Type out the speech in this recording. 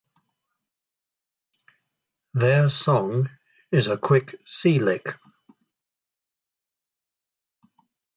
Their song is a quick "se-lick".